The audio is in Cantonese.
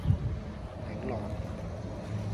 檸樂